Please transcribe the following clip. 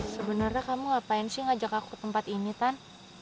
sebenarnya kamu ngapain sih ngajak aku ke tempat ini kan